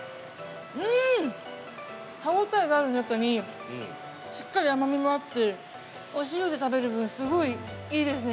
歯応えがあるなかにしっかり甘みもあってお塩で食べる分すごいいいですね。